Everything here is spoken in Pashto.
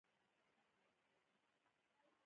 هر څوک چې زیات قدرت ولري دوی ملګري کېږي.